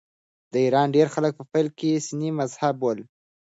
د ایران ډېری خلک په پیل کې سني مذهبه ول.